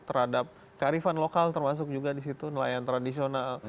terhadap kearifan lokal termasuk juga di situ nelayan tradisional